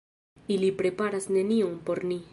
Ili preparas nenion por ni!